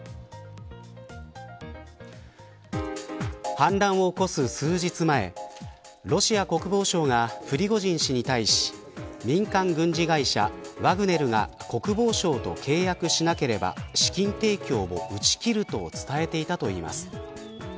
反乱を起こす数日前ロシア国防省がプリゴジン氏に対し民間軍事会社ワグネルが国防省と契約しなければ資金提供を打ち切ると伝えていたといいます。